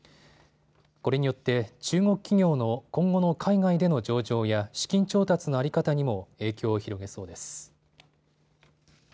これによって中国企業の今後の海外での上場や資金調達の在り方にも影響を広げそうです。